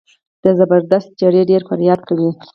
د زبردست د چړې ډېر فریاد کوي.